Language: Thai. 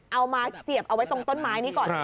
มาเสียบเอาไว้ตรงต้นไม้นี้ก่อน